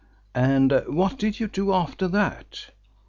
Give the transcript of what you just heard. "And what did you do after that?"